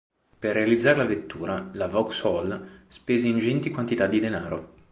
Per realizzare la vettura, la Vauxhall spese ingenti quantità di denaro.